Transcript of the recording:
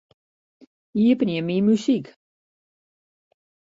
Iepenje Myn muzyk.